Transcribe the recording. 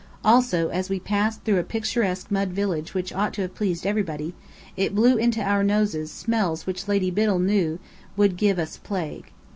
Also, as we passed through a picturesque mud village which ought to have pleased everybody, it blew into our noses smells which Lady Biddell knew would give us plague.